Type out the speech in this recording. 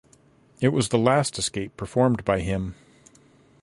It was the last escape performed by him.